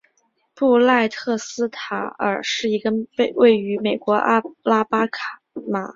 布赖特斯塔尔是一个位于美国阿拉巴马州布朗特县的非建制地区。